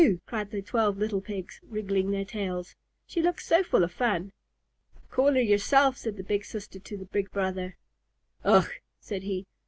cried the twelve little Pigs, wriggling their tails. "She looks so full of fun." "Call her yourself," said the big sister to the big brother. "Ugh!" called he. "Ugh!